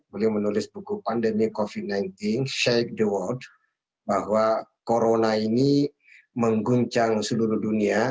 beliau menulis buku pandemi covid sembilan belas shake the world bahwa corona ini mengguncang seluruh dunia